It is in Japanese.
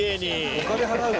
「お金払うわ」